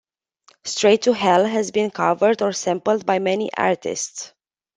"Straight to Hell" has been covered or sampled by many artists.